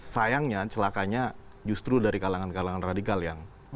sayangnya celakanya justru dari kalangan kalangan radikal yang